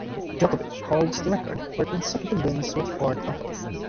Djokovic holds the record for consecutive wins with four titles.